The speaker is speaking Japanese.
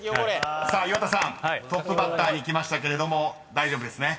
［さあ岩田さんトップバッターに来ましたけれども大丈夫ですね］